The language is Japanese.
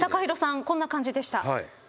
こんな感じでした。